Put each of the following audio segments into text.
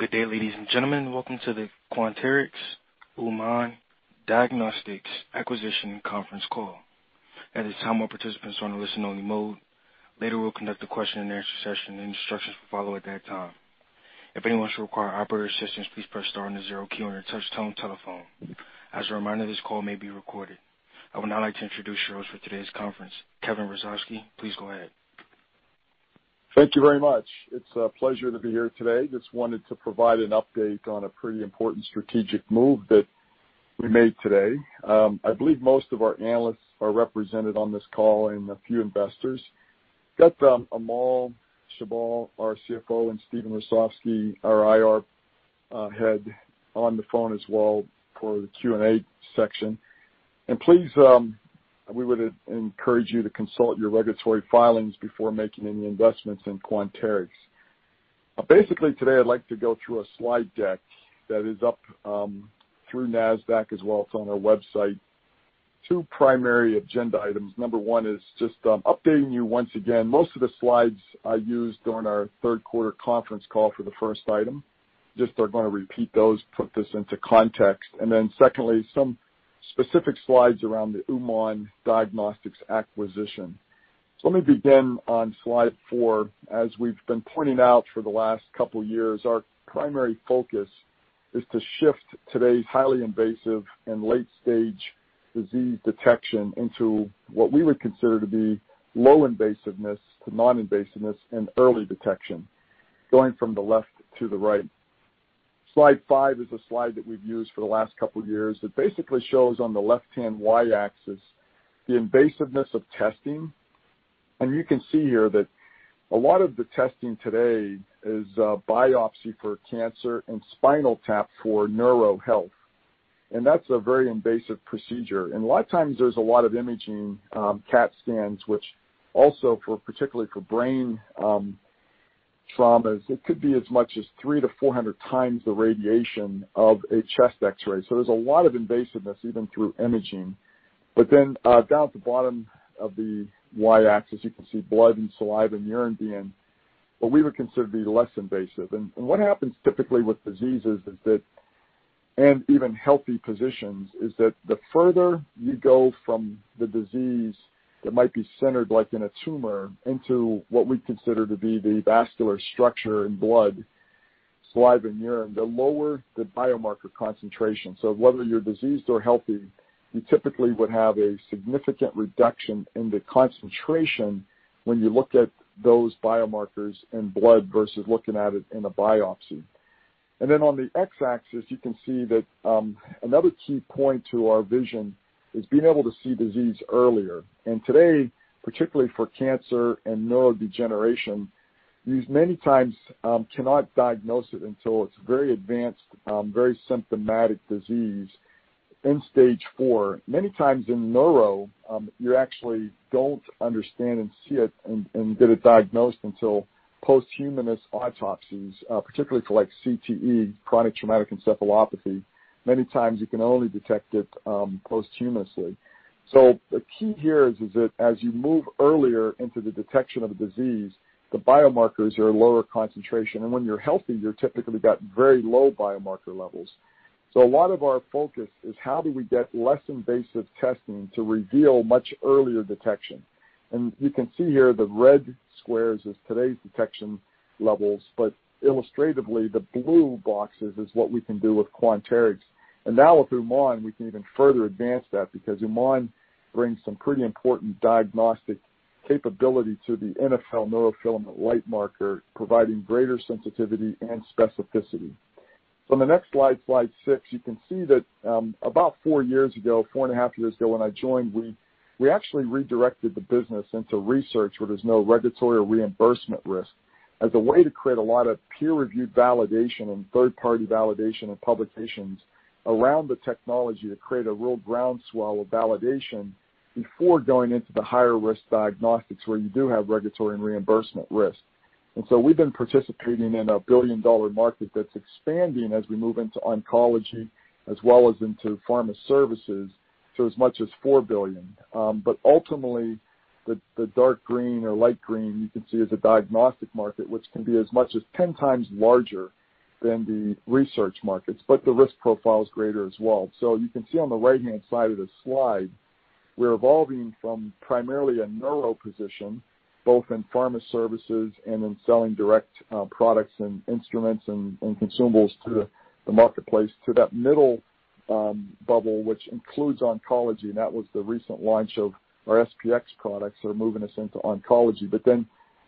Good day, ladies and gentlemen. Welcome to the Quanterix-Uman Diagnostics acquisition conference call. At this time, all participants are in a listen-only mode. Later, we'll conduct a question and answer session, and instructions will follow at that time. If anyone should require operator assistance, please press star and the zero key on your touchtone telephone. As a reminder, this call may be recorded. I would now like to introduce your host for today's conference, Kevin Hrusovsky. Please go ahead. Thank you very much. It's a pleasure to be here today. Just wanted to provide an update on a pretty important strategic move that we made today. I believe most of our analysts are represented on this call and a few investors. Got Amol Chaul, our CFO, and Stephen Hrusovsky, our IR head, on the phone as well for the Q&A section. Please, we would encourage you to consult your regulatory filings before making any investments in Quanterix. Basically, today, I'd like to go through a slide deck that is up through Nasdaq as well. It's on our website. Two primary agenda items. Number one is just updating you once again. Most of the slides I used during our third quarter conference call for the first item, just are going to repeat those, put this into context, then secondly, some specific slides around the Uman Diagnostics acquisition. Let me begin on slide four. As we've been pointing out for the last couple of years, our primary focus is to shift today's highly invasive and late-stage disease detection into what we would consider to be low invasiveness to non-invasiveness and early detection, going from the left to the right. Slide five is a slide that we've used for the last couple of years. It basically shows on the left-hand Y-axis, the invasiveness of testing. You can see here that a lot of the testing today is biopsy for cancer and spinal tap for neuro health, and that's a very invasive procedure. A lot of times there's a lot of imaging CAT scans, which also particularly for brain traumas, it could be as much as 300 to 400 times the radiation of a chest X-ray. There's a lot of invasiveness even through imaging. Down at the bottom of the Y-axis, you can see blood and saliva and urine being what we would consider to be less invasive. What happens typically with diseases is that, and even healthy positions, is that the further you go from the disease that might be centered, like in a tumor, into what we consider to be the vascular structure in blood, saliva, and urine, the lower the biomarker concentration. Whether you're diseased or healthy, you typically would have a significant reduction in the concentration when you look at those biomarkers in blood versus looking at it in a biopsy. On the X-axis, you can see that another key point to our vision is being able to see disease earlier. Today, particularly for cancer and neurodegeneration, these many times cannot diagnose it until it's very advanced, very symptomatic disease in stage 4. Many times in neuro, you actually don't understand and see it and get it diagnosed until postmortem autopsies, particularly for CTE, chronic traumatic encephalopathy. Many times you can only detect it posthumously. The key here is that as you move earlier into the detection of a disease, the biomarkers are at lower concentration. When you're healthy, you typically got very low biomarker levels. A lot of our focus is how do we get less invasive testing to reveal much earlier detection. You can see here the red squares is today's detection levels, but illustratively, the blue boxes is what we can do with Quanterix. Now with Uman, we can even further advance that because Uman brings some pretty important diagnostic capability to the NfL neurofilament light marker, providing greater sensitivity and specificity. On the next slide six, you can see that about four years ago, four and a half years ago when I joined, we actually redirected the business into research where there's no regulatory or reimbursement risk as a way to create a lot of peer-reviewed validation and third-party validation and publications around the technology to create a real groundswell of validation before going into the higher-risk diagnostics where you do have regulatory and reimbursement risk. We've been participating in a billion-dollar market that's expanding as we move into oncology as well as into pharma services to as much as $4 billion. Ultimately, the dark green or light green you can see is a diagnostic market, which can be as much as 10 times larger than the research markets, but the risk profile is greater as well. You can see on the right-hand side of the slide, we're evolving from primarily a neuro position, both in pharma services and in selling direct products and instruments and consumables to the marketplace, to that middle bubble, which includes oncology, and that was the recent launch of our SP-X products that are moving us into oncology.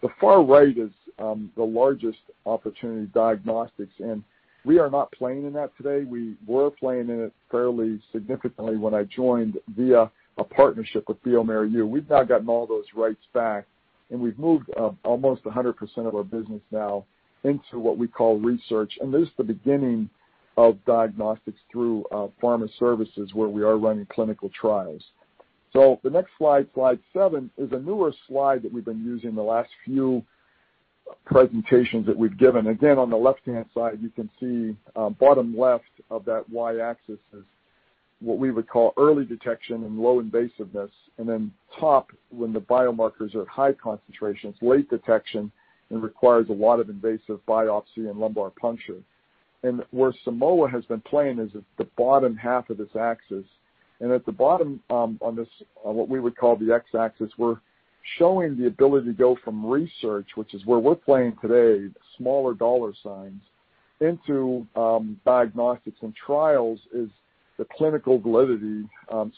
The far right is the largest opportunity, diagnostics, and we are not playing in that today. We were playing in it fairly significantly when I joined via a partnership with bioMérieux. We've now gotten all those rights back, and we've moved almost 100% of our business now into what we call research. This is the beginning of diagnostics through pharma services where we are running clinical trials. The next slide seven, is a newer slide that we've been using the last few presentations that we've given. Again, on the left-hand side, you can see bottom left of that Y-axis is what we would call early detection and low invasiveness, then top when the biomarkers are at high concentrations, late detection, and requires a lot of invasive biopsy and lumbar puncture. Where Simoa has been playing is at the bottom half of this axis. At the bottom on what we would call the X-axis, we're showing the ability to go from research, which is where we're playing today, the smaller dollar signs, into diagnostics and trials is the clinical validity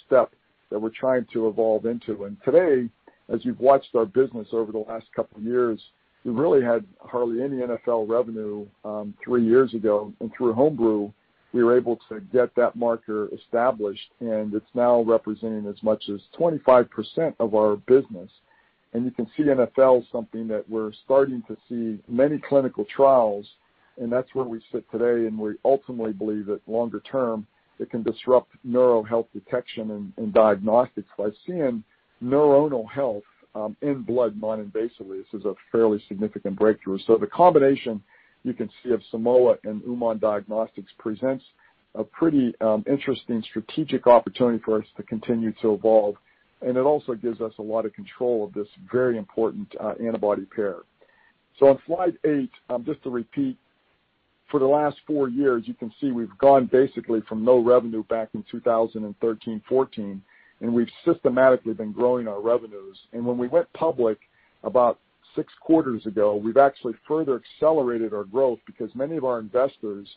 step that we're trying to evolve into. Today, as you've watched our business over the last couple of years, we really had hardly any NfL revenue three years ago. Through homebrew, we were able to get that marker established, and it's now representing as much as 25% of our business. You can see NfL is something that we're starting to see many clinical trials, and that's where we sit today, and we ultimately believe that longer term it can disrupt neuro health detection and diagnostics by seeing neuronal health in blood non-invasively. This is a fairly significant breakthrough. The combination you can see of Simoa and Uman Diagnostics presents a pretty interesting strategic opportunity for us to continue to evolve, and it also gives us a lot of control of this very important antibody pair. On slide eight, just to repeat, for the last four years, you can see we've gone basically from no revenue back in 2013, 2014, and we've systematically been growing our revenues. When we went public about six quarters ago, we've actually further accelerated our growth because many of our investors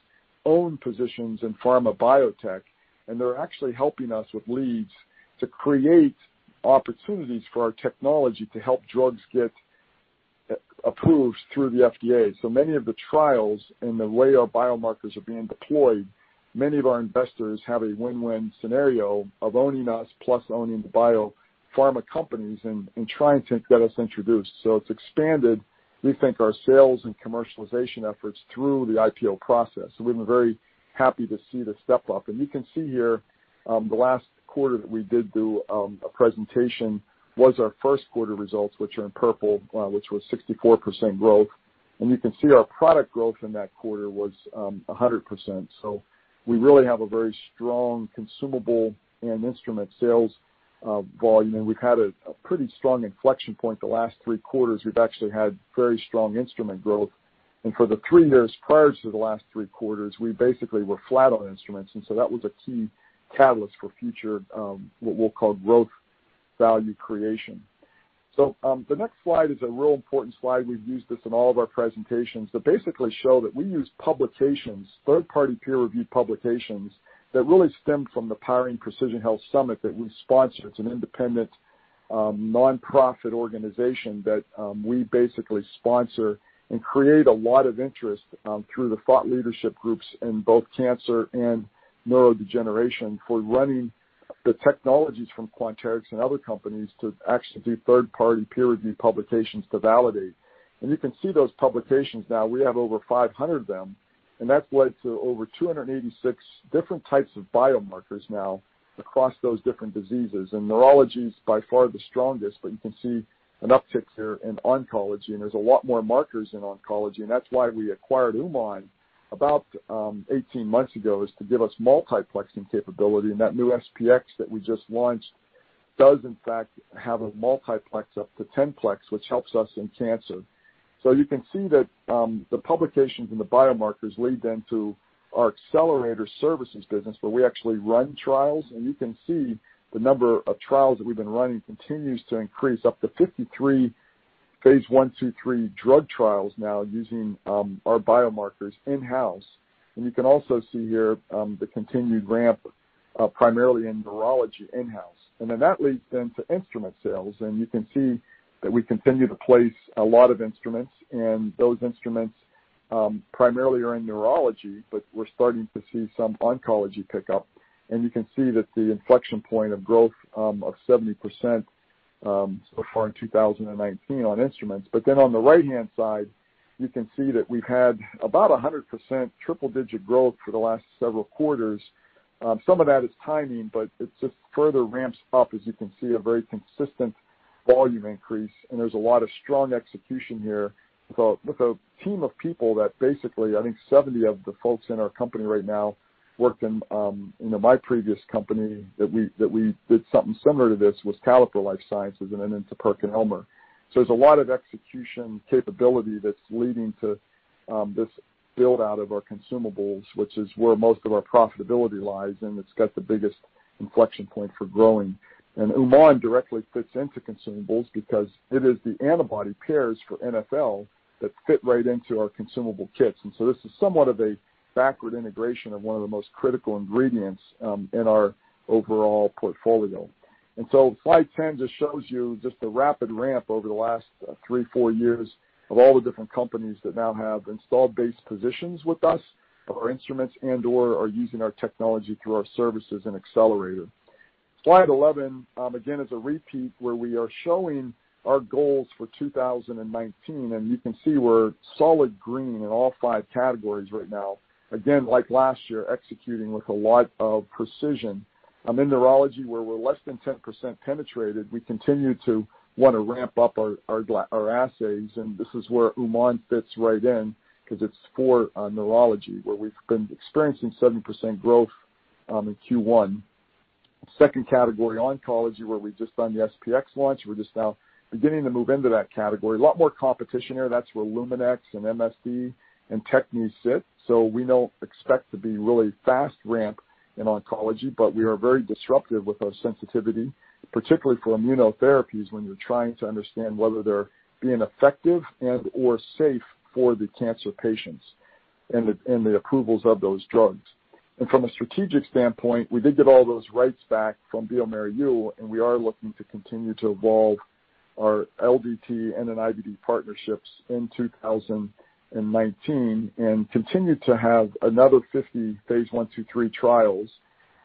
own positions in pharma biotech, and they're actually helping us with leads to create opportunities for our technology to help drugs get approved through the FDA. Many of the trials and the way our biomarkers are being deployed, many of our investors have a win-win scenario of owning us, plus owning the biopharma companies and trying to get us introduced. It's expanded, we think, our sales and commercialization efforts through the IPO process. We've been very happy to see the step up. You can see here, the last quarter that we did do a presentation was our first quarter results, which are in purple, which was 64% growth. You can see our product growth in that quarter was 100%. We really have a very strong consumable and instrument sales volume, and we've had a pretty strong inflection point the last three quarters. We've actually had very strong instrument growth. For the three years prior to the last three quarters, we basically were flat on instruments, and that was a key catalyst for future, what we'll call growth value creation. The next slide is a real important slide. We've used this in all of our presentations that basically show that we use publications, third-party peer-reviewed publications, that really stem from the Powering Precision Health Summit that we sponsor. It's an independent nonprofit organization that we basically sponsor and create a lot of interest through the thought leadership groups in both cancer and neurodegeneration for running the technologies from Quanterix and other companies to actually do third-party peer review publications to validate. You can see those publications now. We have over 500 of them, and that's led to over 286 different types of biomarkers now across those different diseases. Neurology is by far the strongest, but you can see an uptick here in oncology, and there's a lot more markers in oncology. That's why we acquired Uman about 18 months ago, is to give us multiplexing capability. That new SP-X that we just launched does in fact have a multiplex up to 10 plex, which helps us in cancer. You can see that the publications and the biomarkers lead then to our accelerator services business, where we actually run trials, and you can see the number of trials that we've been running continues to increase up to 53 phase I to III drug trials now using our biomarkers in-house. You can also see here the continued ramp, primarily in neurology in-house. That leads then to instrument sales, and you can see that we continue to place a lot of instruments, and those instruments primarily are in neurology, but we're starting to see some oncology pick up. You can see that the inflection point of growth of 70% so far in 2019 on instruments. On the right-hand side, you can see that we've had about 100% triple-digit growth for the last several quarters. Some of that is timing, but it just further ramps up, as you can see, a very consistent volume increase. There's a lot of strong execution here with a team of people that basically, I think 70 of the folks in our company right now worked in my previous company that we did something similar to this with Caliper Life Sciences and then into PerkinElmer. There's a lot of execution capability that's leading to this build-out of our consumables, which is where most of our profitability lies, and it's got the biggest inflection point for growing. Uman directly fits into consumables because it is the antibody pairs for NfL that fit right into our consumable kits. This is somewhat of a backward integration of one of the most critical ingredients in our overall portfolio. Slide 10 just shows you just the rapid ramp over the last three, four years of all the different companies that now have installed base positions with us for our instruments and/or are using our technology through our services and accelerator. Slide 11, again, is a repeat where we are showing our goals for 2019, and you can see we're solid green in all five categories right now. Again, like last year, executing with a lot of precision. In neurology, where we're less than 10% penetrated, we continue to want to ramp up our assays, and this is where Uman fits right in because it's for neurology, where we've been experiencing 7% growth in Q1. Second category, oncology, where we've just done the SP-X launch. We're just now beginning to move into that category. A lot more competition there. That's where Luminex and MSD and Tecan sit. We don't expect to be really fast ramp in oncology, but we are very disruptive with our sensitivity, particularly for immunotherapies, when you're trying to understand whether they're being effective and/or safe for the cancer patients and the approvals of those drugs. From a strategic standpoint, we did get all those rights back from bioMérieux, and we are looking to continue to evolve our LDT and IVD partnerships in 2019 and continue to have another 50 phase I-II-III trials.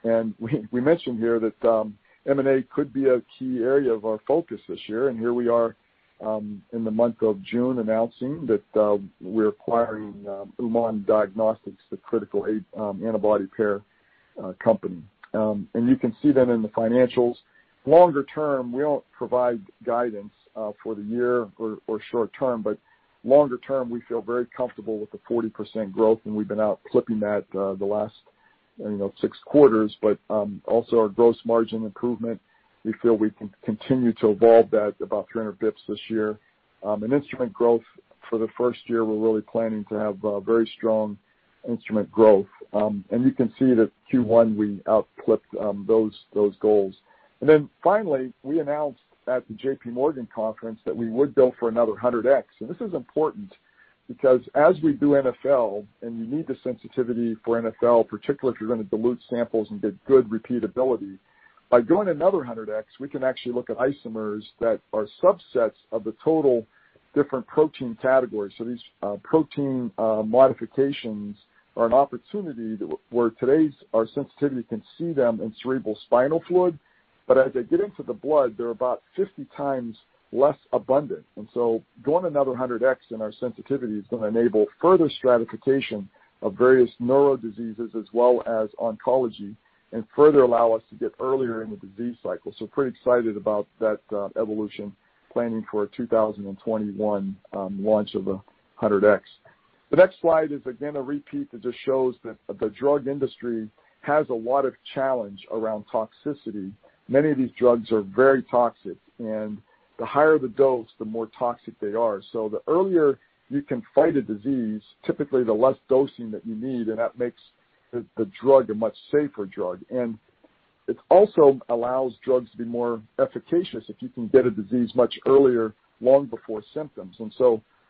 We mentioned here that M&A could be a key area of our focus this year. Here we are in the month of June announcing that we're acquiring Uman Diagnostics, the critical antibody pair company. You can see that in the financials. Longer term, we don't provide guidance for the year or short term, but longer term, we feel very comfortable with the 40% growth, and we've been out clipping that the last six quarters. Also our gross margin improvement, we feel we can continue to evolve that about 300 bps this year. Instrument growth for the first year, we're really planning to have very strong instrument growth. You can see that Q1, we outclipped those goals. Finally, we announced at the JP Morgan conference that we would build for another 100X. This is important because as we do NfL, and you need the sensitivity for NfL, particularly if you're going to dilute samples and get good repeatability. By doing another 100X, we can actually look at isomers that are subsets of the total different protein categories. These protein modifications are an opportunity where today our sensitivity can see them in cerebrospinal fluid, but as they get into the blood, they're about 50 times less abundant. Going another 100X in our sensitivity is going to enable further stratification of various neuro diseases as well as oncology and further allow us to get earlier in the disease cycle. Pretty excited about that evolution, planning for a 2021 launch of the 100X. The next slide is again a repeat that just shows that the drug industry has a lot of challenge around toxicity. Many of these drugs are very toxic, and the higher the dose, the more toxic they are. The earlier you can fight a disease, typically the less dosing that you need, and that makes the drug a much safer drug. It also allows drugs to be more efficacious if you can get a disease much earlier, long before symptoms.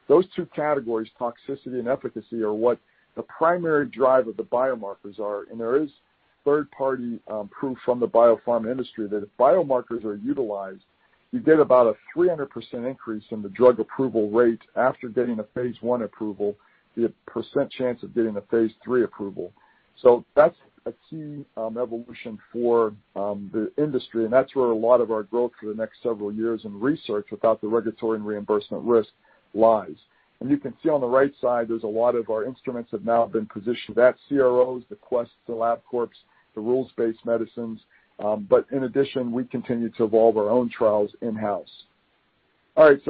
Those two categories, toxicity and efficacy, are what the primary drive of the biomarkers are. There is third-party proof from the biopharm industry that if biomarkers are utilized, you get about a 300% increase in the drug approval rate after getting a phase I approval, the percent chance of getting a phase III approval. That's a key evolution for the industry, and that's where a lot of our growth for the next several years in research without the regulatory and reimbursement risk lies. You can see on the right side, there's a lot of our instruments have now been positioned at CROs, the Quest, the LabCorp, the Rules-Based Medicine. In addition, we continue to evolve our own trials in-house. All right.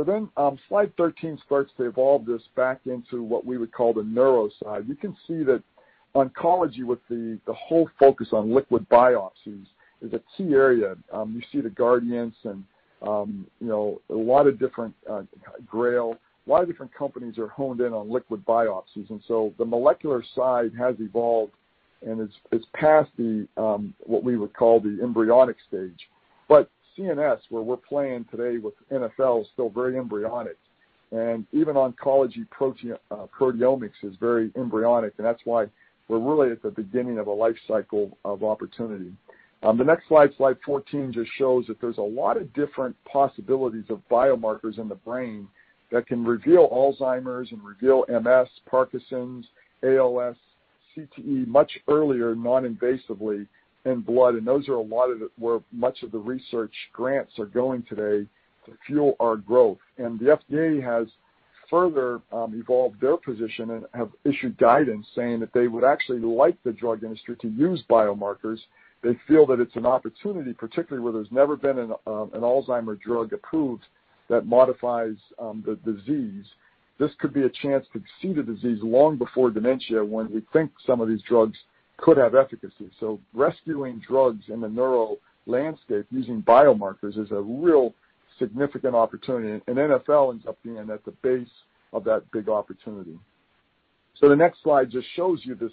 Slide 13 starts to evolve this back into what we would call the neuro side. You can see that oncology, with the whole focus on liquid biopsies, is a key area. You see the Guardant and a lot of different Grail. A lot of different companies are honed in on liquid biopsies. The molecular side has evolved, and it's past what we would call the embryonic stage. CNS, where we're playing today with NfL, is still very embryonic. Even oncology proteomics is very embryonic, and that's why we're really at the beginning of a life cycle of opportunity. The next slide 14, just shows that there's a lot of different possibilities of biomarkers in the brain that can reveal Alzheimer's and reveal MS, Parkinson's, ALS, CTE much earlier, non-invasively in blood. Those are a lot of where much of the research grants are going today to fuel our growth. The FDA has further evolved their position and have issued guidance saying that they would actually like the drug industry to use biomarkers. They feel that it's an opportunity, particularly where there's never been an Alzheimer's drug approved that modifies the disease. This could be a chance to see the disease long before dementia, when we think some of these drugs could have efficacy. Rescuing drugs in the neural landscape using biomarkers is a real significant opportunity, and NfL ends up being at the base of that big opportunity. The next slide just shows you this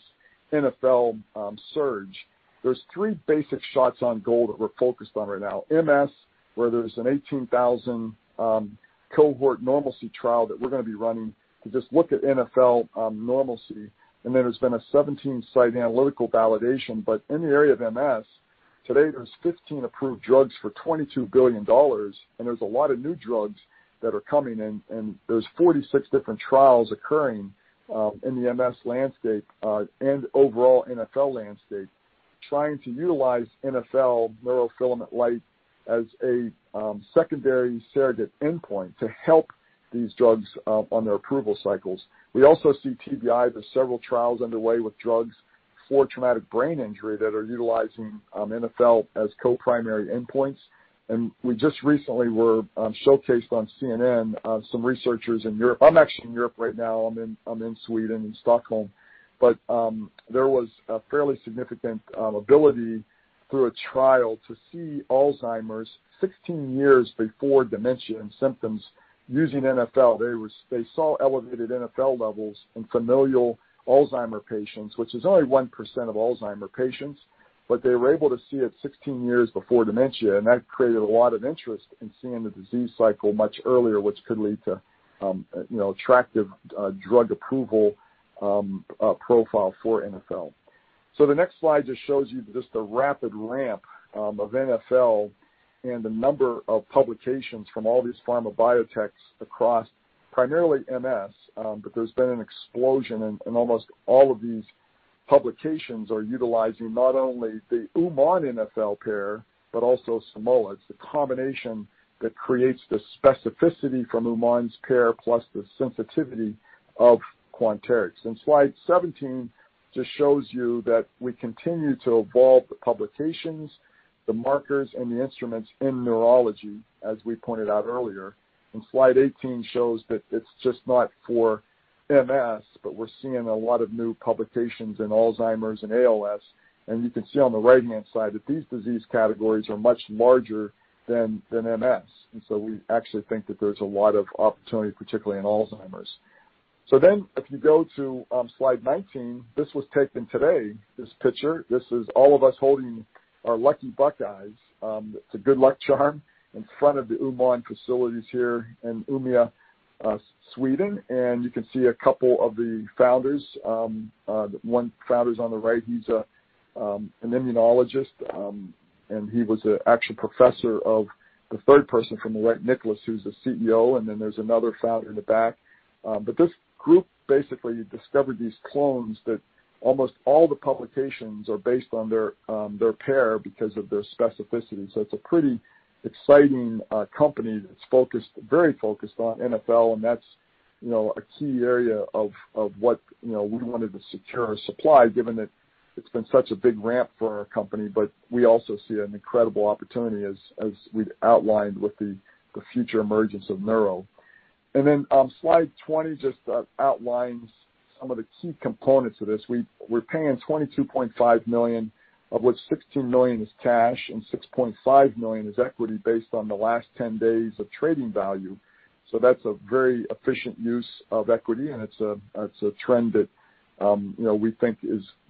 NfL surge. There's three basic shots on goal that we're focused on right now. MS, where there's an 18,000 cohort normalcy trial that we're going to be running to just look at NfL normalcy. Then there's been a 17-site analytical validation. In the area of MS, today, there's 15 approved drugs for $22 billion, and there's a lot of new drugs that are coming in, and there's 46 different trials occurring in the MS landscape and overall NfL landscape trying to utilize NfL neurofilament light as a secondary surrogate endpoint to help these drugs on their approval cycles. We also see TBI. There's several trials underway with drugs for traumatic brain injury that are utilizing NfL as co-primary endpoints. We just recently were showcased on CNN, some researchers in Europe. I'm actually in Europe right now. I'm in Sweden, in Stockholm. There was a fairly significant ability through a trial to see Alzheimer's 16 years before dementia and symptoms using NfL. They saw elevated NfL levels in familial Alzheimer's patients, which is only 1% of Alzheimer's patients, but they were able to see it 16 years before dementia, that created a lot of interest in seeing the disease cycle much earlier, which could lead to attractive drug approval profile for NfL. The next slide just shows you just the rapid ramp of NfL and the number of publications from all these pharma biotechs across primarily MS. There's been an explosion and almost all of these publications are utilizing not only the Uman NfL pair, but also Simoa. It's the combination that creates the specificity from Uman's pair plus the sensitivity of Quanterix. Slide 17 just shows you that we continue to evolve the publications, the markers, and the instruments in neurology, as we pointed out earlier. Slide 18 shows that it's just not for MS, but we're seeing a lot of new publications in Alzheimer's and ALS. You can see on the right-hand side that these disease categories are much larger than MS. We actually think that there's a lot of opportunity, particularly in Alzheimer's. If you go to slide 19, this was taken today, this picture. This is all of us holding our lucky Buckeyes, it's a good luck charm, in front of the Uman facilities here in Umeå, Sweden. You can see a couple of the founders. One founder's on the right, he's an immunologist, and he was an actual professor of the third person from the right, Niklas, who's the CEO, and then there's another founder in the back. This group basically discovered these clones that almost all the publications are based on their pair because of their specificity. It's a pretty exciting company that's very focused on NfL, and that's a key area of what we wanted to secure our supply, given that it's been such a big ramp for our company. We also see an incredible opportunity as we've outlined with the future emergence of neuro. Slide 20 just outlines some of the key components of this. We're paying $22.5 million, of which $16 million is cash and $6.5 million is equity based on the last 10 days of trading value. That's a very efficient use of equity, and it's a trend that we think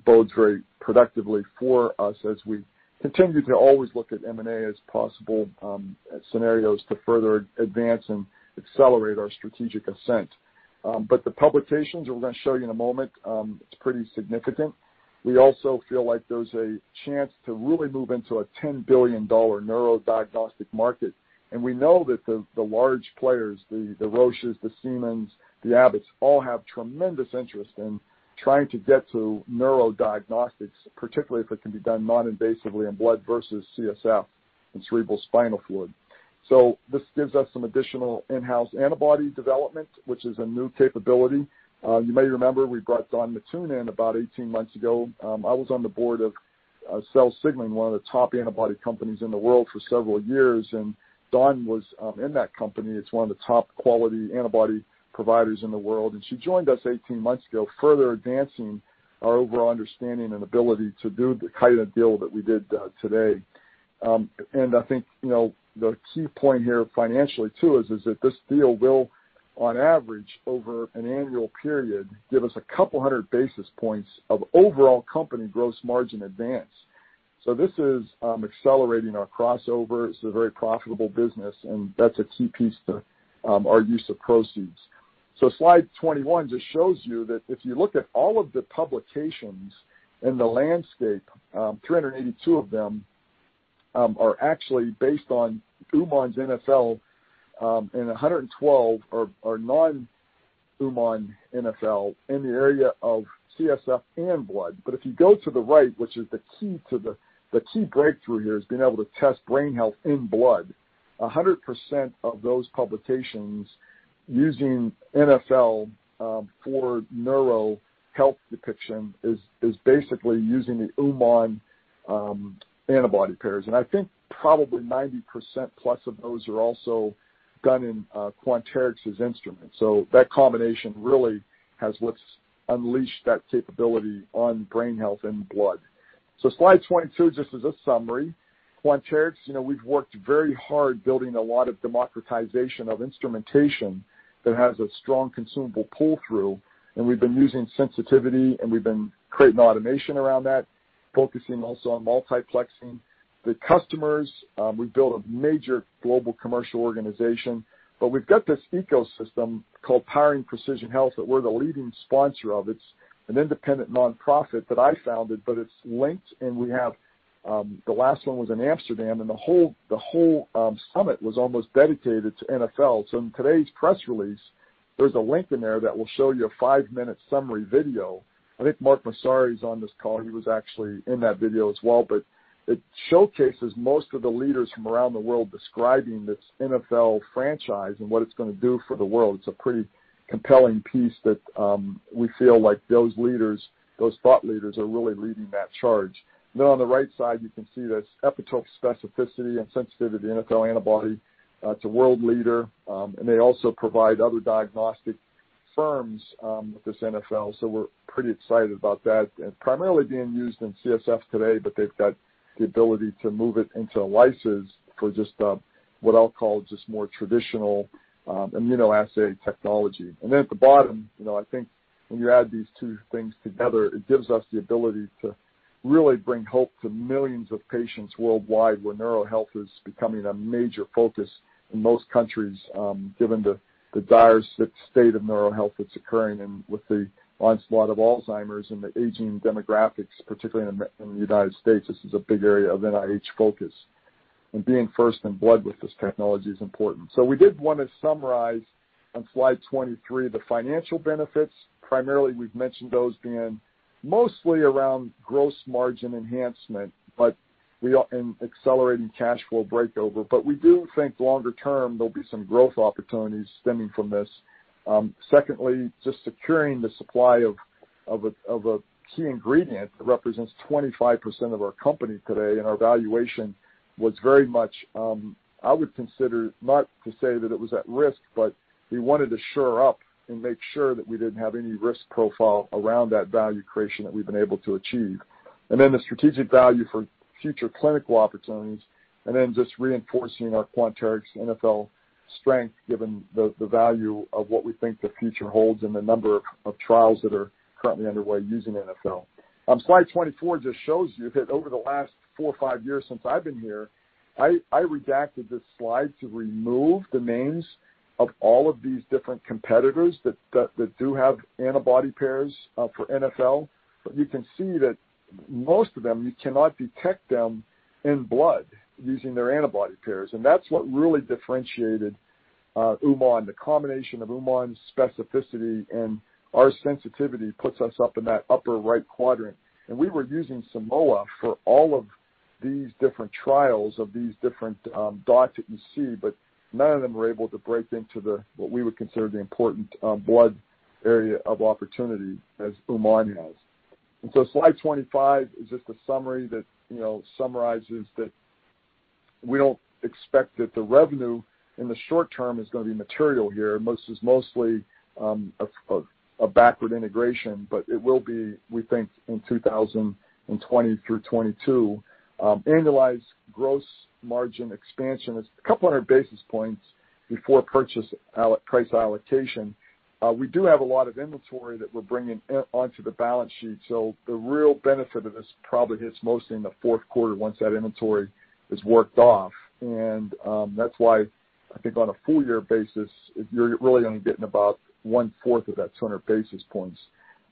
bodes very productively for us as we continue to always look at M&A as possible scenarios to further advance and accelerate our strategic ascent. The publications that we're going to show you in a moment, it's pretty significant. We also feel like there's a chance to really move into a $10 billion neurodiagnostic market. We know that the large players, the Roches, the Siemens, the Abbotts, all have tremendous interest in trying to get to neurodiagnostics, particularly if it can be done non-invasively in blood versus CSF, in cerebrospinal fluid. This gives us some additional in-house antibody development, which is a new capability. You may remember we brought Dawn Mattoon in about 18 months ago. I was on the board of Cell Signaling, one of the top antibody companies in the world, for several years, and Dawn was in that company. It's one of the top quality antibody providers in the world. She joined us 18 months ago, further advancing our overall understanding and ability to do the kind of deal that we did today. I think the key point here financially too, is that this deal will, on average, over an annual period, give us a couple of hundred basis points of overall company gross margin advance. This is accelerating our crossover. It's a very profitable business, and that's a key piece to our use of proceeds. Slide 21 just shows you that if you look at all of the publications in the landscape, 382 of them are actually based on Uman's NfL, and 112 are non-Uman NfL in the area of CSF and blood. If you go to the right, which is the key breakthrough here, is being able to test brain health in blood. 100% of those publications using NfL for neuro health depiction is basically using the Uman antibody pairs. I think probably 90%+ of those are also done in Quanterix's instrument. That combination really has what's unleashed that capability on brain health in blood. Slide 22, just as a summary. Quanterix, we've worked very hard building a lot of democratization of instrumentation that has a strong consumable pull-through, and we've been using sensitivity, and we've been creating automation around that, focusing also on multiplexing. The customers, we built a major global commercial organization. We've got this ecosystem called Powering Precision Health that we're the leading sponsor of. It's an independent nonprofit that I founded. It's linked, and the last one was in Amsterdam, and the whole summit was almost dedicated to NfL. In today's press release, there's a link in there that will show you a five-minute summary video. I think Mark Massaro is on this call. He was actually in that video as well. It showcases most of the leaders from around the world describing this NfL franchise and what it's going to do for the world. It's a pretty compelling piece that we feel like those thought leaders are really leading that charge. On the right side, you can see that its epitope specificity and sensitivity, NfL antibody. It's a world leader. They also provide other diagnostic firms with this NfL. We're pretty excited about that. Primarily being used in CSF today, but they've got the ability to move it into ELISA for just what I'll call more traditional immunoassay technology. At the bottom, I think when you add these two things together, it gives us the ability to really bring hope to millions of patients worldwide where neuro health is becoming a major focus in most countries, given the dire state of neuro health that's occurring. With the onslaught of Alzheimer's and the aging demographics, particularly in the U.S., this is a big area of NIH focus. Being first in blood with this technology is important. We did want to summarize on slide 23 the financial benefits. Primarily, we've mentioned those being mostly around gross margin enhancement and accelerating cash flow breakover. We do think longer term, there'll be some growth opportunities stemming from this. Secondly, just securing the supply of a key ingredient that represents 25% of our company today in our valuation was very much, I would consider, not to say that it was at risk, but we wanted to shore up and make sure that we didn't have any risk profile around that value creation that we've been able to achieve. The strategic value for future clinical opportunities, and reinforcing our Quanterix NfL strength, given the value of what we think the future holds and the number of trials that are currently underway using NfL. Slide 24 just shows you that over the last four or five years since I've been here, I redacted this slide to remove the names of all of these different competitors that do have antibody pairs for NfL. You can see that most of them, you cannot detect them in blood using their antibody pairs. That's what really differentiated Uman. The combination of Uman's specificity and our sensitivity puts us up in that upper right quadrant. We were using Simoa for all of these different trials of these different dots that you see, but none of them were able to break into what we would consider the important blood area of opportunity as Uman has. Slide 25 is just a summary that summarizes that we don't expect that the revenue in the short term is going to be material here. This is mostly a backward integration, but it will be, we think, in 2020 through 2022. Annualized gross margin expansion is a couple hundred basis points before purchase price allocation. We do have a lot of inventory that we're bringing onto the balance sheet, so the real benefit of this probably hits mostly in the fourth quarter once that inventory is worked off. That's why I think on a full year basis, you're really only getting about one-fourth of that 200 basis points.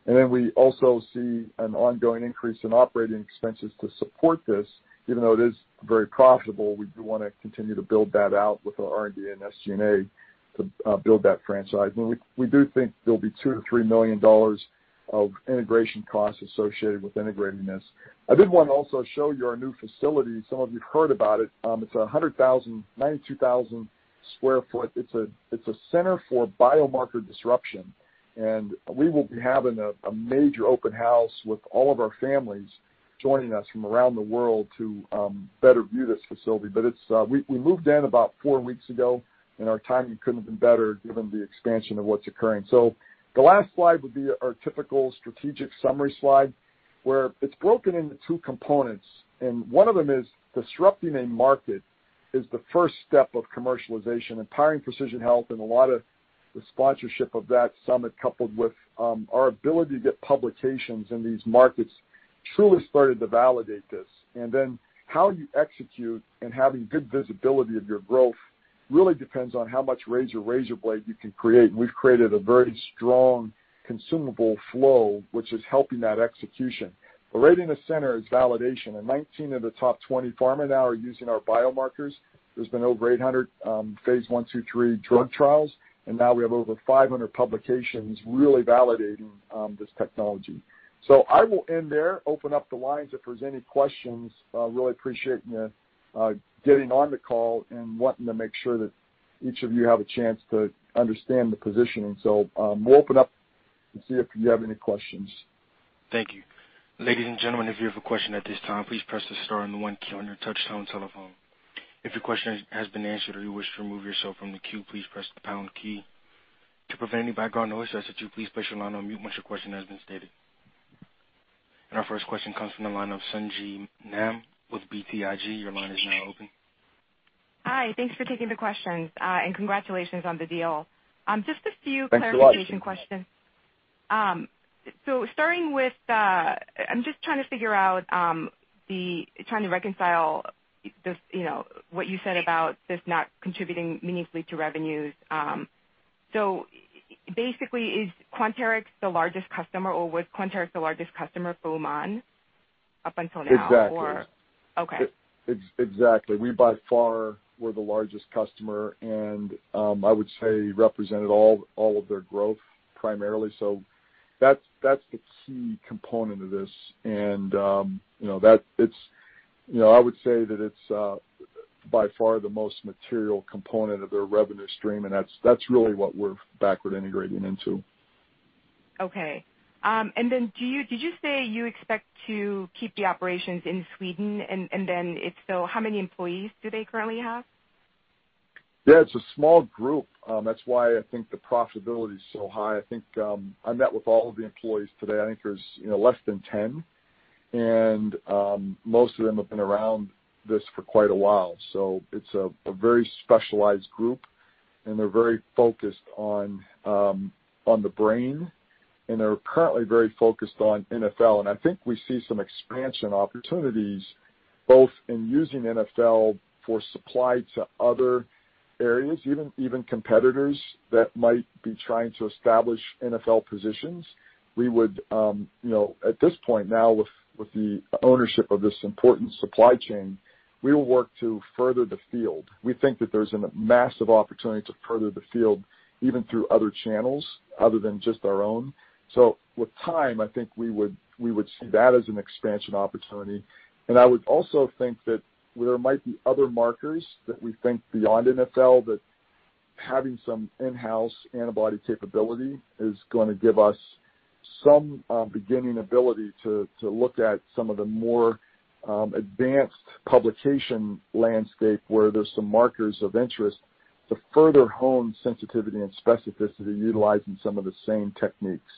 We also see an ongoing increase in operating expenses to support this. Even though it is very profitable, we do want to continue to build that out with our R&D and SG&A to build that franchise. We do think there'll be $2 million-$3 million of integration costs associated with integrating this. I did want to also show you our new facility. Some of you've heard about it. It's 92,000 sq ft. It's a center for biomarker disruption, and we will be having a major open house with all of our families joining us from around the world to better view this facility. We moved in about four weeks ago, and our timing couldn't have been better given the expansion of what's occurring. The last slide would be our typical strategic summary slide, where it's broken into two components, and one of them is disrupting a market is the first step of commercialization and Powering Precision Health. A lot of the sponsorship of that summit, coupled with our ability to get publications in these markets truly started to validate this. How you execute and having good visibility of your growth really depends on how much razor blade you can create. We've created a very strong consumable flow, which is helping that execution. Really the center is validation, and 19 of the top 20 pharma now are using our biomarkers. There's been over 800 phase I, II, III drug trials, and now we have over 500 publications really validating this technology. I will end there, open up the lines if there's any questions. Really appreciate you getting on the call and wanting to make sure that each of you have a chance to understand the positioning. We'll open up and see if you have any questions. Thank you. Ladies and gentlemen, if you have a question at this time, please press the star and the one key on your touchtone telephone. If your question has been answered or you wish to remove yourself from the queue, please press the pound key. To prevent any background noise, I ask that you please place your line on mute once your question has been stated. Our first question comes from the line of Sung Ji Nam with BTIG. Your line is now open. Thanks for watching. Starting with, I'm just trying to figure out, trying to reconcile what you said about this not contributing meaningfully to revenues. Basically, is Quanterix the largest customer, or was Quanterix the largest customer for Uman up until now? Exactly. Okay. Exactly. We, by far, were the largest customer, and I would say represented all of their growth primarily. That's the key component of this. I would say that it's by far the most material component of their revenue stream, and that's really what we're backward integrating into. Okay. Then did you say you expect to keep the operations in Sweden? If so, how many employees do they currently have? It's a small group. That's why I think the profitability is so high. I met with all of the employees today. I think there's less than 10, and most of them have been around this for quite a while. It's a very specialized group, and they're very focused on the brain, and they're currently very focused on NfL. I think we see some expansion opportunities, both in using NfL for supply to other areas, even competitors that might be trying to establish NfL positions. At this point now, with the ownership of this important supply chain, we will work to further the field. We think that there's a massive opportunity to further the field, even through other channels other than just our own. With time, I think we would see that as an expansion opportunity. I would also think that there might be other markers that we think beyond NfL, that having some in-house antibody capability is going to give us some beginning ability to look at some of the more advanced publication landscape where there's some markers of interest to further hone sensitivity and specificity utilizing some of the same techniques.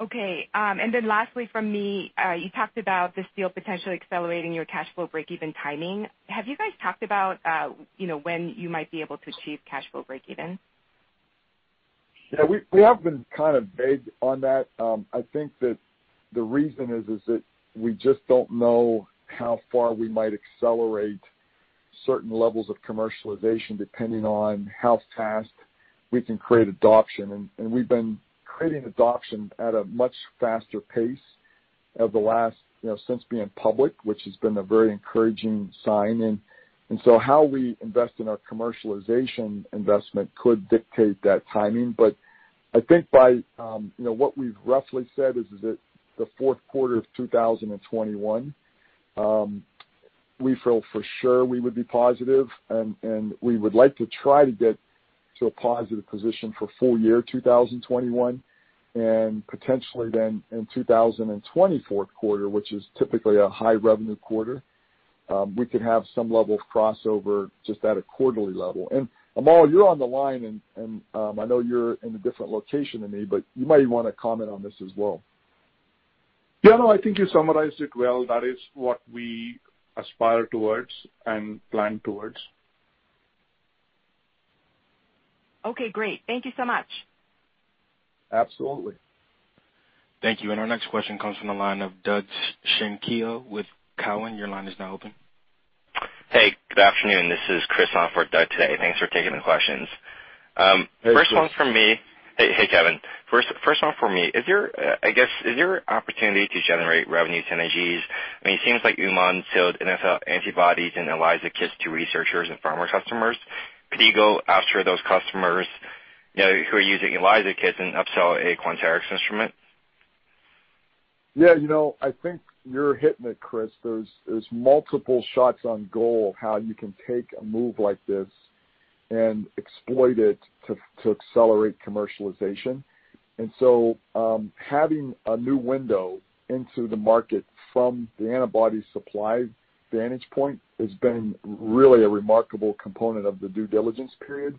Okay. Lastly from me, you talked about this deal potentially accelerating your cash flow breakeven timing. Have you guys talked about when you might be able to achieve cash flow breakeven? We haven't been kind of vague on that. I think that the reason is that we just don't know how far we might accelerate certain levels of commercialization depending on how fast we can create adoption. We've been creating adoption at a much faster pace since being public, which has been a very encouraging sign. How we invest in our commercialization investment could dictate that timing. I think by what we've roughly said is that the fourth quarter of 2021, we feel for sure we would be positive, and we would like to try to get to a positive position for full year 2021, and potentially then in 2024 quarter, which is typically a high revenue quarter, we could have some level of crossover just at a quarterly level. Amol, you're on the line, and I know you're in a different location than me, but you might want to comment on this as well. Yeah, no, I think you summarized it well. That is what we aspire towards and plan towards. Okay, great. Thank you so much. Absolutely. Thank you. Our next question comes from the line of Doug Schenkel with Cowen. Your line is now open. Hey, good afternoon. This is Chris on for Doug today. Thanks for taking the questions. Hey, Chris. Hey, Kevin. First one for me. I guess, is there an opportunity to generate revenue synergies? I mean, it seems like Uman sold NfL antibodies and ELISA kits to researchers and pharma customers. Could you go after those customers who are using ELISA kits and upsell a Quanterix instrument? Yeah, I think you're hitting it, Chris. There's multiple shots on goal how you can take a move like this and exploit it to accelerate commercialization. Having a new window into the market from the antibody supply vantage point has been really a remarkable component of the due diligence period,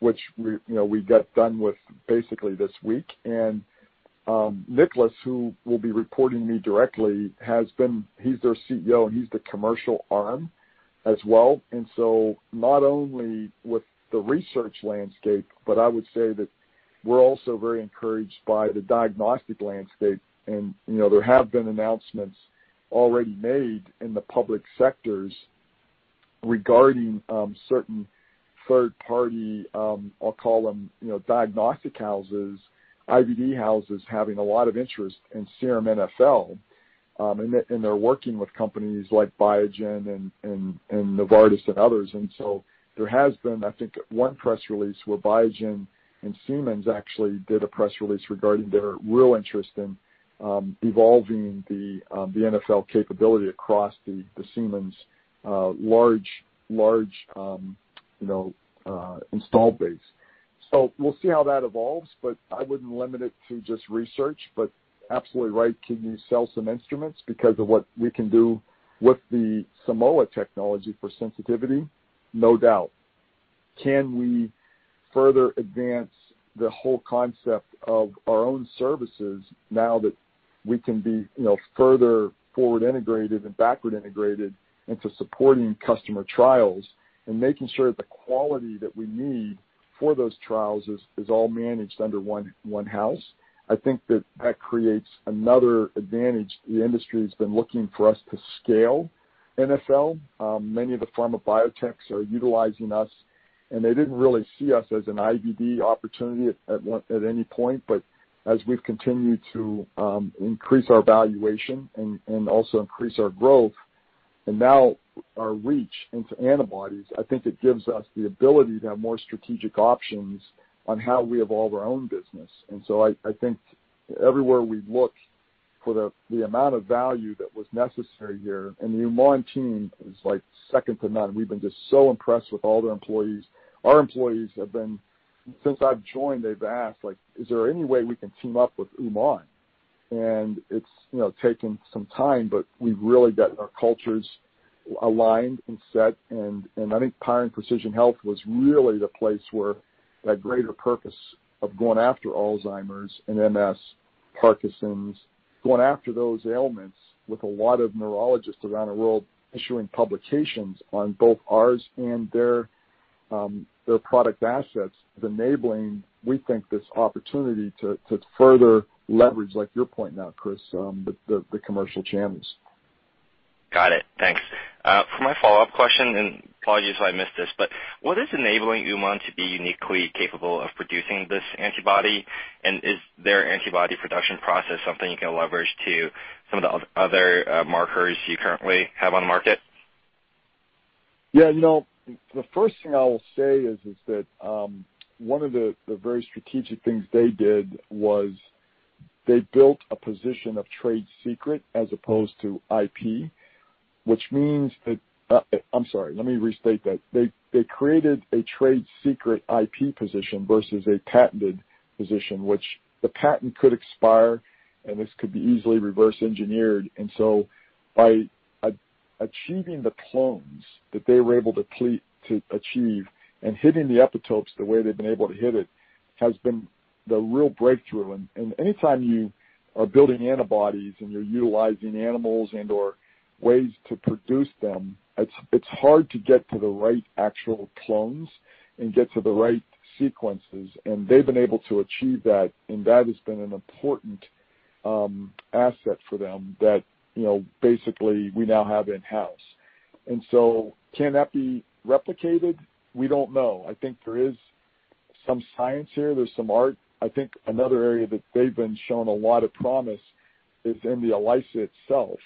which we got done with basically this week. Niklas, who will be reporting to me directly, he's their CEO, and he's the commercial arm as well. Not only with the research landscape, but I would say that we're also very encouraged by the diagnostic landscape. There have been announcements already made in the public sectors regarding certain third party, I'll call them diagnostic houses, IVD houses, having a lot of interest in serum NfL. They're working with companies like Biogen and Novartis and others. There has been, I think, one press release where Biogen and Siemens actually did a press release regarding their real interest in evolving the NfL capability across the Siemens large install base. We'll see how that evolves, I wouldn't limit it to just research. Absolutely right, can you sell some instruments because of what we can do with the Simoa technology for sensitivity? No doubt. Can we further advance the whole concept of our own services now that we can be further forward integrated and backward integrated into supporting customer trials and making sure that the quality that we need for those trials is all managed under one house? I think that creates another advantage. The industry has been looking for us to scale NfL. Many of the pharma biotechs are utilizing us, they didn't really see us as an IVD opportunity at any point. As we've continued to increase our valuation and also increase our growth, now our reach into antibodies, I think it gives us the ability to have more strategic options on how we evolve our own business. I think everywhere we look for the amount of value that was necessary here, the Uman team is second to none. We've been just so impressed with all their employees. Our employees have been, since I've joined, they've asked, "Is there any way we can team up with Uman?" It's taken some time, but we've really gotten our cultures aligned and set. I think Powering Precision Health was really the place where that greater purpose of going after Alzheimer's and MS, Parkinson's, going after those ailments with a lot of neurologists around the world issuing publications on both ours and their product assets, enabling, we think, this opportunity to further leverage, like you're pointing out, Chris, the commercial channels. Got it. Thanks. For my follow-up question, apologies if I missed this, what is enabling Aushon to be uniquely capable of producing this antibody? Is their antibody production process something you can leverage to some of the other markers you currently have on the market? Yeah, no. The first thing I will say is that one of the very strategic things they did was they built a position of trade secret as opposed to IP. I'm sorry, let me restate that. They created a trade secret IP position versus a patented position, which the patent could expire, and this could be easily reverse engineered. By achieving the clones that they were able to achieve, and hitting the epitopes the way they've been able to hit it, has been the real breakthrough. Any time you are building antibodies and you're utilizing animals and/or ways to produce them, it's hard to get to the right actual clones and get to the right sequences, and they've been able to achieve that, and that has been an important asset for them that basically we now have in-house. Can that be replicated? We don't know. I think there is some science here. There's some art. I think another area that they've been shown a lot of promise is in the ELISA itself.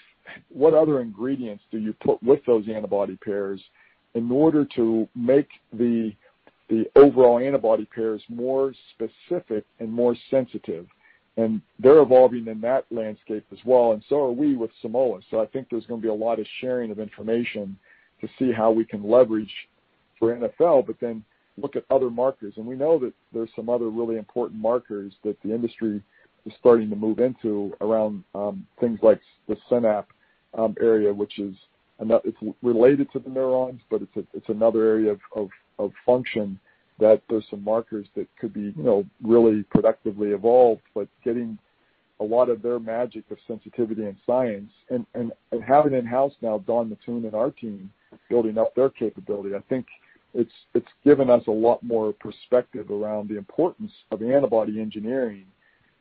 What other ingredients do you put with those antibody pairs in order to make the overall antibody pairs more specific and more sensitive? They're evolving in that landscape as well, and so are we with Simoa. I think there's going to be a lot of sharing of information to see how we can leverage for NfL, look at other markers. We know that there's some other really important markers that the industry is starting to move into around things like the synapse area, which is related to the neurons, but it's another area of function that there's some markers that could be really productively evolved, but getting a lot of their magic of sensitivity and science and having in-house now Dawn Mattoon and our team building up their capability. I think it's given us a lot more perspective around the importance of antibody engineering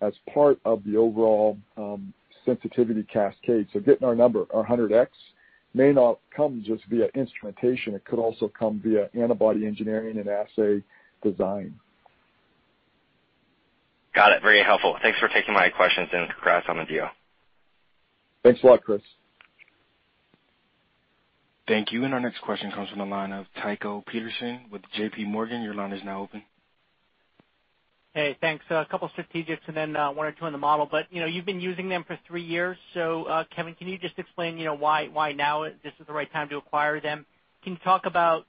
as part of the overall sensitivity cascade. Getting our number, our 100X, may not come just via instrumentation. It could also come via antibody engineering and assay design. Got it. Very helpful. Thanks for taking my questions and congrats on the deal. Thanks a lot, Chris. Thank you. Our next question comes from the line of Tycho Peterson with J.P. Morgan. Your line is now open. Hey, thanks. A couple strategics and then one or two on the model. You've been using them for three years. Kevin, can you just explain why now this is the right time to acquire them? Can you talk about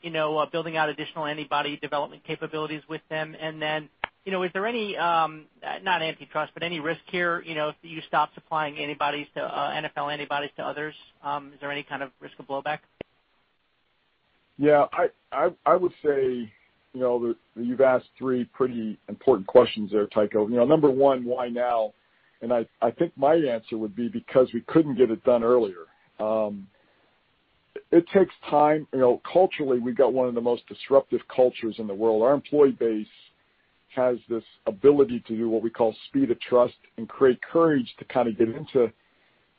building out additional antibody development capabilities with them? Is there any, not antitrust, but any risk here if you stop supplying NfL antibodies to others? Is there any kind of risk of blowback? Yeah. I would say that you've asked three pretty important questions there, Tycho. Number one, why now? I think my answer would be because we couldn't get it done earlier. It takes time. Culturally, we've got one of the most disruptive cultures in the world. Our employee base has this ability to do what we call speed of trust and create courage to kind of get into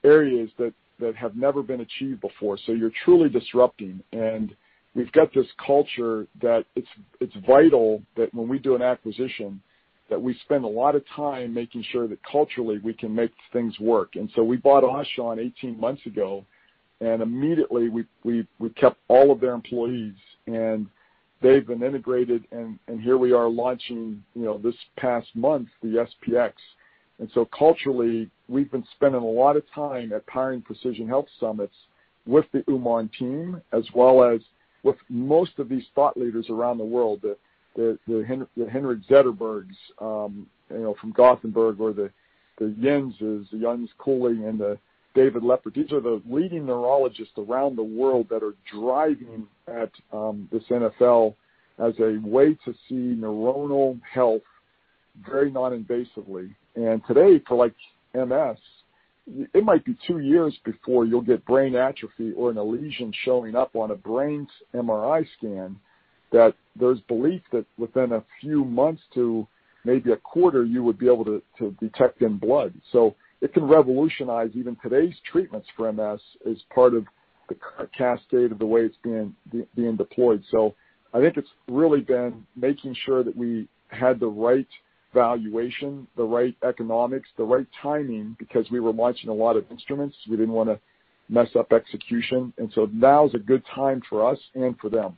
areas that have never been achieved before. You're truly disrupting. We've got this culture that it's vital that when we do an acquisition, that we spend a lot of time making sure that culturally we can make things work. We bought Aushon 18 months ago, and immediately we kept all of their employees, and they've been integrated, and here we are launching this past month, the SP-X. Culturally, we've been spending a lot of time at Powering Precision Health Summits with the Uman team, as well as with most of these thought leaders around the world, the Henrik Zetterberg from Gothenburg, or the Jens Kuhle and the David Leppert. These are the leading neurologists around the world that are driving at this NfL as a way to see neuronal health very non-invasively. Today, for like MS, it might be 2 years before you'll get brain atrophy or a lesion showing up on a brain's MRI scan that there's belief that within a few months to maybe a quarter, you would be able to detect in blood. It can revolutionize even today's treatments for MS as part of the cascade of the way it's being deployed. I think it's really been making sure that we had the right valuation, the right economics, the right timing, because we were launching a lot of instruments. We didn't want to mess up execution. Now is a good time for us and for them.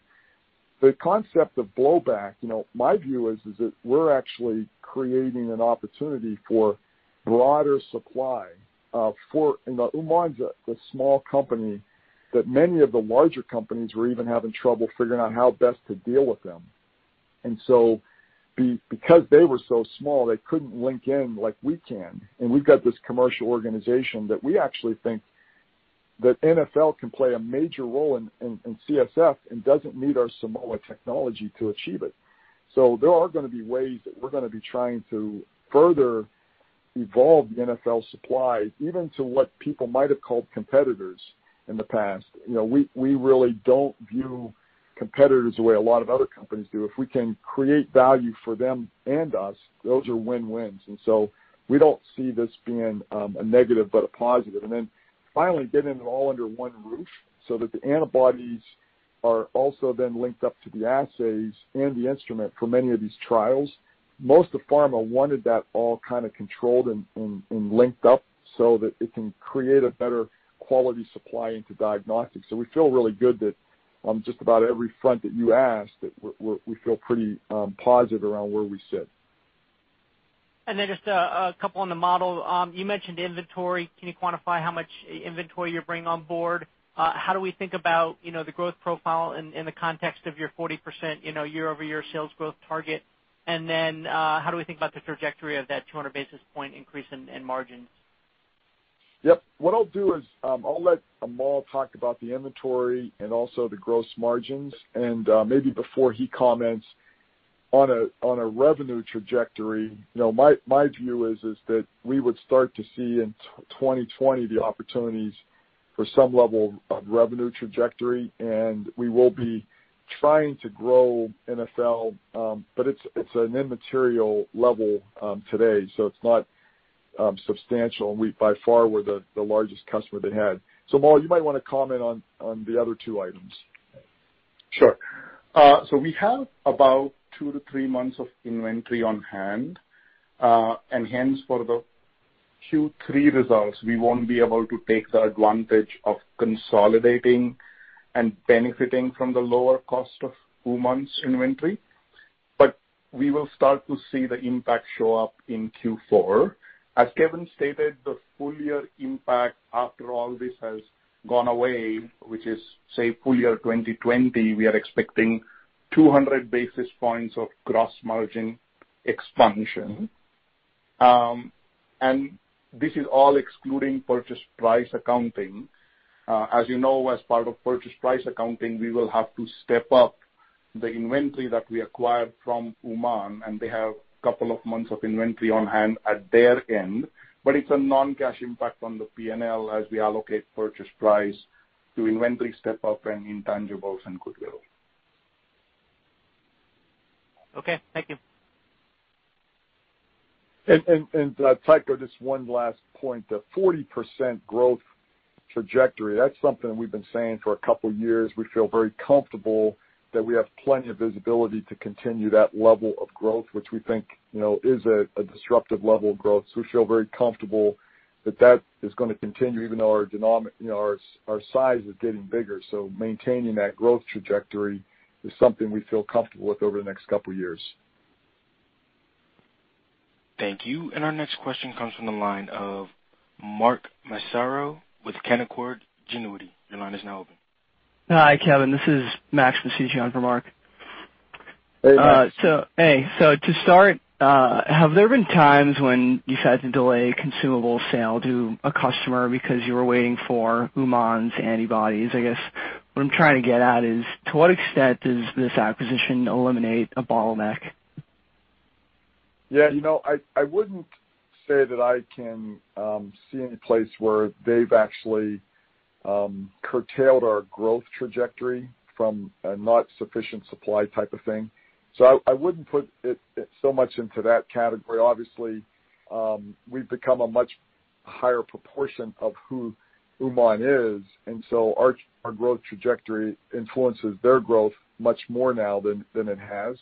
The concept of blowback, my view is that we're actually creating an opportunity for broader supply for, in the Uman's, the small company that many of the larger companies were even having trouble figuring out how best to deal with them. Because they were so small, they couldn't link in like we can, and we've got this commercial organization that we actually think that NfL can play a major role in CSF and doesn't need our Simoa technology to achieve it. There are going to be ways that we're going to be trying to further evolve the NfL supply, even to what people might have called competitors in the past. We really don't view competitors the way a lot of other companies do. If we can create value for them and us, those are win-wins, and we don't see this being a negative but a positive. Finally getting it all under one roof so that the antibodies are also then linked up to the assays and the instrument for many of these trials. Most of pharma wanted that all kind of controlled and linked up so that it can create a better quality supply into diagnostics. We feel really good that on just about every front that you asked, that we feel pretty positive around where we sit. Just a couple on the model. You mentioned inventory. Can you quantify how much inventory you're bringing on board? How do we think about the growth profile in the context of your 40% year-over-year sales growth target? How do we think about the trajectory of that 200 basis point increase in margins? Yep. What I'll do is, I'll let Amol talk about the inventory and also the gross margins. Maybe before he comments on a revenue trajectory, my view is that we would start to see in 2020 the opportunities for some level of revenue trajectory, and we will be trying to grow NfL, but it's an immaterial level today, so it's not substantial, and we by far were the largest customer they had. Amol, you might want to comment on the other two items. Sure. We have about two to three months of inventory on hand. Hence for the Q3 results, we won't be able to take the advantage of consolidating and benefiting from the lower cost of Uman's inventory. But we will start to see the impact show up in Q4. As Kevin stated, the full year impact after all this has gone away, which is, say, full year 2020, we are expecting 200 basis points of gross margin expansion. This is all excluding purchase price accounting. As you know, as part of purchase price accounting, we will have to step up the inventory that we acquired from Uman, and they have couple of months of inventory on hand at their end. But it's a non-cash impact on the P&L as we allocate purchase price to inventory step up and intangibles and goodwill. Okay. Thank you. If I could just one last point. The 40% growth trajectory, that's something we've been saying for a couple of years. We feel very comfortable that we have plenty of visibility to continue that level of growth, which we think is a disruptive level of growth. We feel very comfortable that that is going to continue even though our size is getting bigger. Maintaining that growth trajectory is something we feel comfortable with over the next couple of years. Thank you. Our next question comes from the line of Mark Massaro with Canaccord Genuity. Your line is now open. Hi, Kevin. This is Max, the CG on for Mark. Hey, Max. Hey. To start, have there been times when you've had to delay a consumable sale to a customer because you were waiting for Uman's antibodies? I guess what I'm trying to get at is, to what extent does this acquisition eliminate a bottleneck? Yeah. I wouldn't say that I can see any place where they've actually curtailed our growth trajectory from a not sufficient supply type of thing. I wouldn't put it so much into that category. Obviously, we've become a much higher proportion of who Uman is, our growth trajectory influences their growth much more now than it has.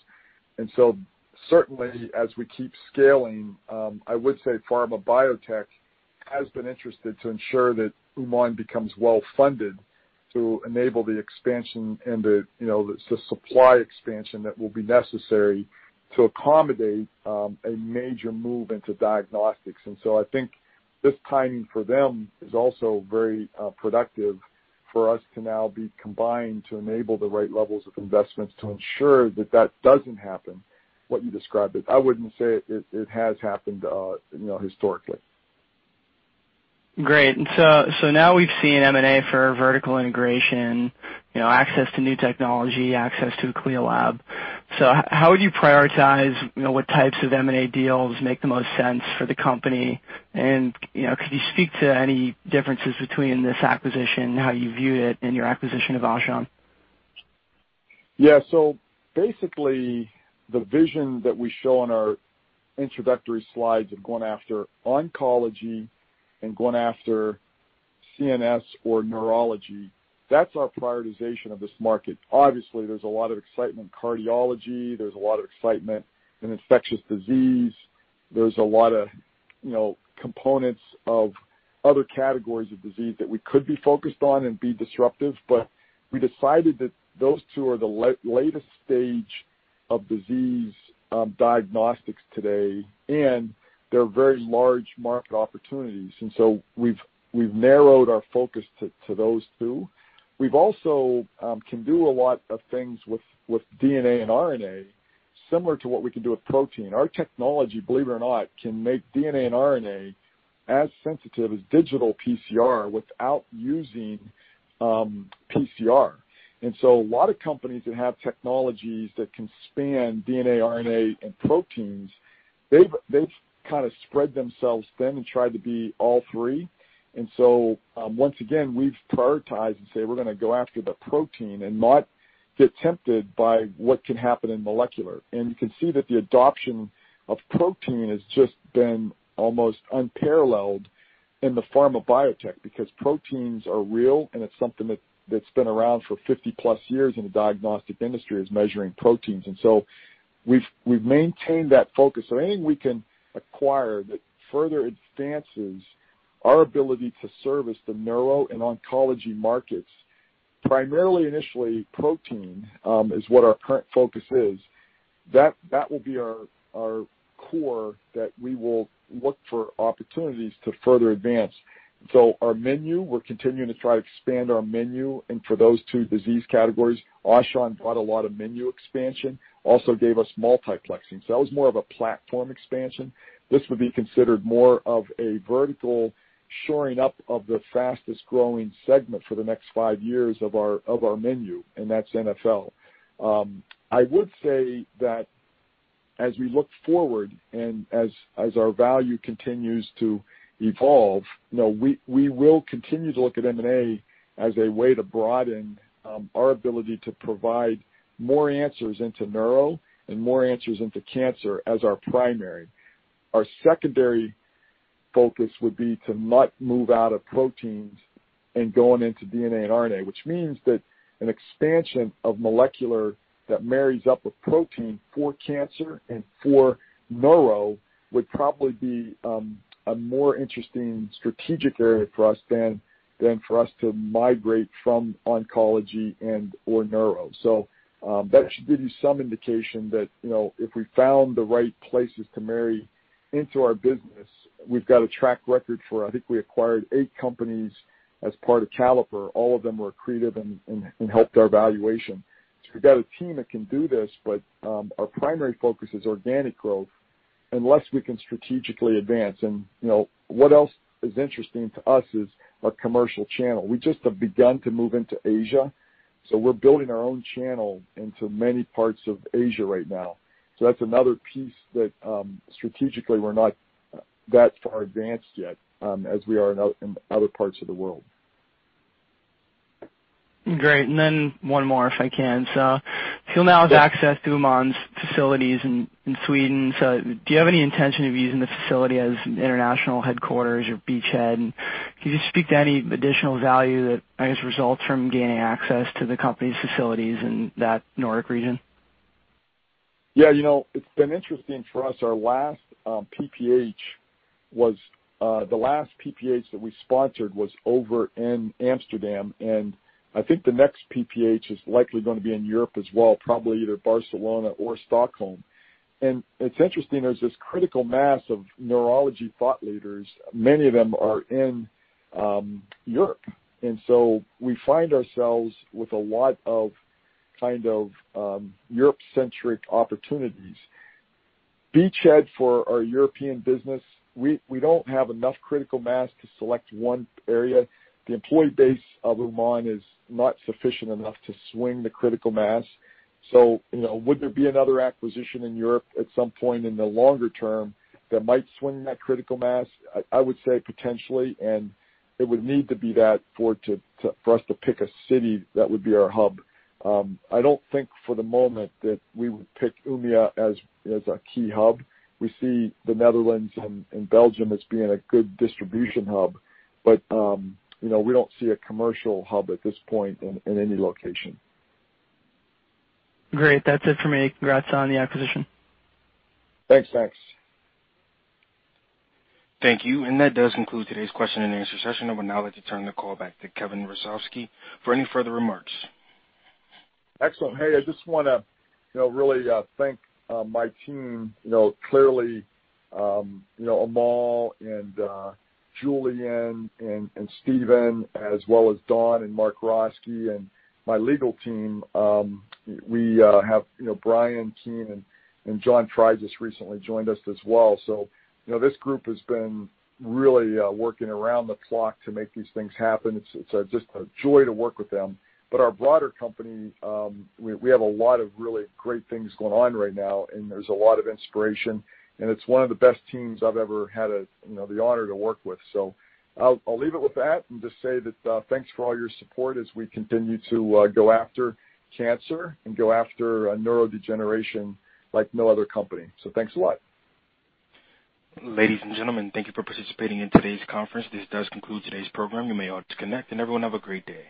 Certainly as we keep scaling, I would say pharma biotech has been interested to ensure that Uman becomes well-funded to enable the expansion and the supply expansion that will be necessary to accommodate a major move into diagnostics. I think this timing for them is also very productive for us to now be combined to enable the right levels of investments to ensure that doesn't happen, what you described it. I wouldn't say it has happened historically. Great. Now we've seen M&A for vertical integration, access to new technology, access to a CLIA lab. How would you prioritize what types of M&A deals make the most sense for the company? Could you speak to any differences between this acquisition and how you view it in your acquisition of Aushon? Yeah. Basically, the vision that we show on our introductory slides of going after oncology and going after CNS or neurology, that's our prioritization of this market. Obviously, there's a lot of excitement in cardiology, there's a lot of excitement in infectious disease. There's a lot of components of other categories of disease that we could be focused on and be disruptive, but we decided that those two are the latest stage of disease diagnostics today, and they're very large market opportunities. We've narrowed our focus to those two. We also can do a lot of things with DNA and RNA, similar to what we can do with protein. Our technology, believe it or not, can make DNA and RNA as sensitive as digital PCR without using PCR. A lot of companies that have technologies that can span DNA, RNA, and proteins, they've kind of spread themselves thin and tried to be all three. Once again, we've prioritized and say we're going to go after the protein and not get tempted by what can happen in molecular. You can see that the adoption of protein has just been almost unparalleled in the pharma biotech, because proteins are real, and it's something that's been around for 50-plus years in the diagnostic industry, is measuring proteins. We've maintained that focus. Anything we can acquire that further advances our ability to service the neuro and oncology markets, primarily initially protein, is what our current focus is. That will be our core that we will look for opportunities to further advance. Our menu, we're continuing to try to expand our menu, and for those two disease categories. Aushon brought a lot of menu expansion, also gave us multiplexing. That was more of a platform expansion. This would be considered more of a vertical shoring up of the fastest-growing segment for the next 5 years of our menu, and that's NfL. I would say that as we look forward and as our value continues to evolve, we will continue to look at M&A as a way to broaden our ability to provide more answers into neuro and more answers into cancer as our primary. Our secondary focus would be to not move out of proteins and going into DNA and RNA, which means that an expansion of molecular that marries up with protein for cancer and for neuro would probably be a more interesting strategic area for us than for us to migrate from oncology and/or neuro. That should give you some indication that if we found the right places to marry into our business, we've got a track record for it. I think I acquired 8 companies as part of Caliper. All of them were accretive and helped our valuation. We've got a team that can do this, but our primary focus is organic growth unless we can strategically advance. What else is interesting to us is our commercial channel. We just have begun to move into Asia, we're building our own channel into many parts of Asia right now. That's another piece that, strategically, we're not that far advanced yet as we are in other parts of the world. Great. Then one more, if I can. Hill now has access to Uman's facilities in Sweden. Do you have any intention of using the facility as an international headquarters or beachhead? Can you just speak to any additional value that, I guess, results from gaining access to the company's facilities in that Nordic region? Yeah. It's been interesting for us. The last PPH that we sponsored was over in Amsterdam, I think the next PPH is likely going to be in Europe as well, probably either Barcelona or Stockholm. It's interesting, there's this critical mass of neurology thought leaders. Many of them are in Europe, we find ourselves with a lot of Europe-centric opportunities. Beachhead for our European business, we don't have enough critical mass to select one area. The employee base of Uman is not sufficient enough to swing the critical mass. Would there be another acquisition in Europe at some point in the longer term that might swing that critical mass? I would say potentially, and it would need to be that for us to pick a city that would be our hub. I don't think for the moment that we would pick Umeå as a key hub. We see the Netherlands and Belgium as being a good distribution hub. We don't see a commercial hub at this point in any location. Great. That's it for me. Congrats on the acquisition. Thanks, Max. Thank you. That does conclude today's question and answer session. I would now like to turn the call back to Kevin Hrusovsky for any further remarks. Excellent. Hey, I just want to really thank my team. Clearly, Amol and Julian and Stephen, as well as Don and Mark Roskey and my legal team. We have Brian Keane, and John Tritis just recently joined us as well. This group has been really working around the clock to make these things happen. It's just a joy to work with them. Our broader company, we have a lot of really great things going on right now, and there's a lot of inspiration, and it's one of the best teams I've ever had the honor to work with. I'll leave it with that and just say thanks for all your support as we continue to go after cancer and go after neurodegeneration like no other company. Thanks a lot. Ladies and gentlemen, thank you for participating in today's conference. This does conclude today's program. You may all disconnect, and everyone have a great day.